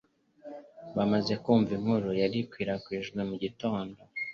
Bamaze kumva inkuru yari yakwirakwijwe mu gitondo,